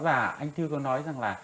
và anh thư có nói rằng là